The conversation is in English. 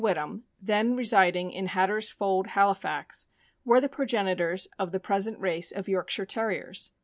Whittam, then residing in Hatter's Fold, Halifax, were the progenitors of the present race of Yorkshire Terriers.